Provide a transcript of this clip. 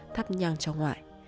thắp nhang cho ngoại